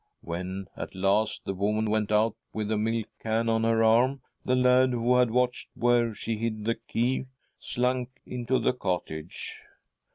When .at last the woman went out with a milk can on her arm, the lad, who had watched where she hid the key, slunk into the cottage."